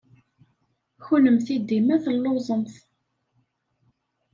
Kennemti dima telluẓemt!